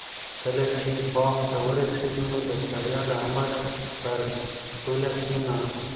کله چې باغ ته ورسېد نو د ستړیا له امله پر پوله کېناست.